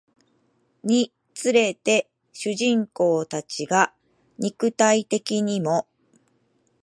につれて主人公たちが肉体的にも